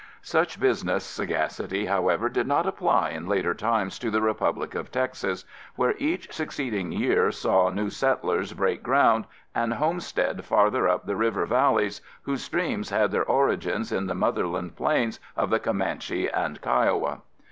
Such business sagacity however, did not apply in later times to the Republic of Texas, where each succeeding year saw new settlers break ground and homestead farther up the river valleys, whose streams had their origins in the motherland plains of the Comanche and Kiowa.